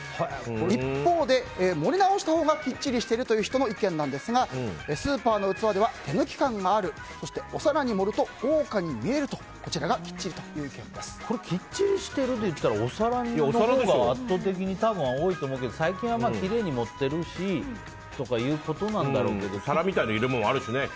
一方で、盛り直すほうがきっちりしているという人の意見なんですがスーパーの器では手抜き感があるそしてお皿に盛ると豪華に見えるときっちりしてるでいったらお皿のほうが圧倒的に多いと思うけど最近はきれいに盛ってるからだと思うけど。